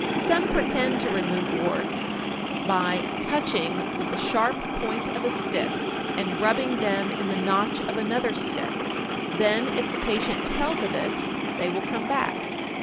_ 924. Some pretend to remove warts by "touching with the sharp point of a stick and rubbing them in the notch of another stick; then if the patient tells of it, they will come back.